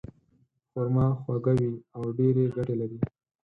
خرما خواږه وي او ډېرې ګټې لري.